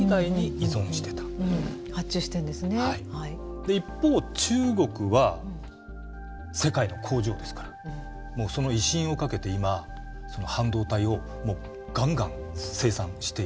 で一方中国は世界の工場ですからその威信をかけて今半導体をがんがん生産している。